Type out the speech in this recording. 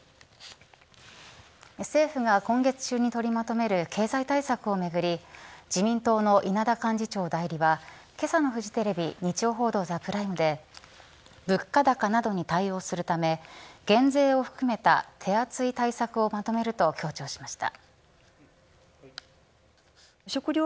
政府が今月中に取りまとめる経済対策をめぐり自民党の稲田幹事長代理はけさのフジテレビ日曜報道ＴＨＥＰＲＩＭＥで物価高などに対応するため減税を含めた手厚い対策をまとめると強調しました。